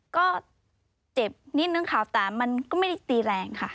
ก็เจ็บนิดนึงค่ะแต่มันก็ไม่ได้ตีแรงค่ะ